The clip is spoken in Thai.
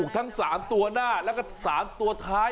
ทั้ง๓ตัวหน้าแล้วก็๓ตัวท้าย